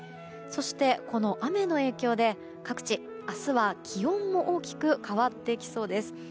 そしてこの雨の影響で各地明日は気温も大きく変わってきそうです。